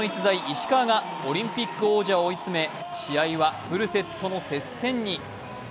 石川がオリンピック王者を追い詰め試合はフルセットの接戦に。